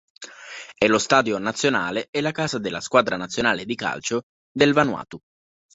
È lo stadio nazionale e la casa della squadra nazionale di calcio del Vanuatu.